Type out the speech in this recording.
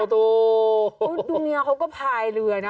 ดูเนี่ยเค้าก็พาเหลือนะ